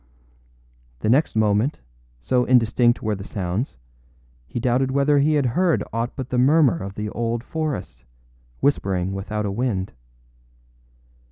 The next moment, so indistinct were the sounds, he doubted whether he had heard aught but the murmur of the old forest, whispering without a wind.